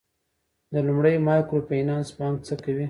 د لومړي مایکرو فینانس بانک څه کوي؟